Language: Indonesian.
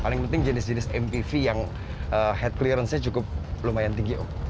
paling penting jenis jenis mpv yang head clearance nya cukup lumayan tinggi om